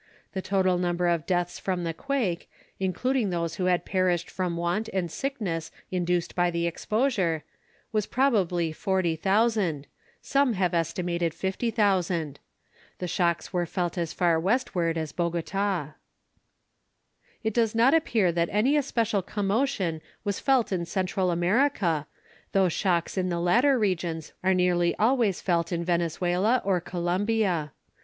The total number of deaths from the earthquake, including those who perished from want and sickness induced by the exposure, was probably forty thousand; some have estimated fifty thousand. The shocks were felt as far westward as Bogota. It does not appear that any especial commotion was felt in Central America, though shocks in the latter regions are nearly always felt in Venezuela or Columbia.